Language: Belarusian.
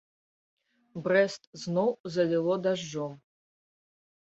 Брэст зноў заліло дажджом.